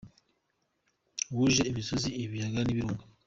Wuje imisozi, ibiyaga n’ibirunga